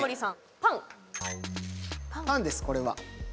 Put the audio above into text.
パンです、これは。